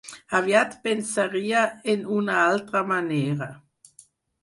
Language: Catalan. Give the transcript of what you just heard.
Aviat pensaria en una altra manera.